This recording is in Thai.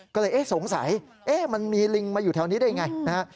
ก็เลยสงสัยมันมีลิงมาอยู่แถวนี้ได้อย่างไร